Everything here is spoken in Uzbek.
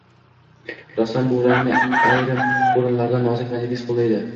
Rassom bu rangni ayrim o‘rinlarda nozik va nafis qo‘llaydi.